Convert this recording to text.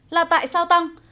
là tại sao tăng